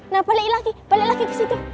nah balik lagi balik lagi ke situ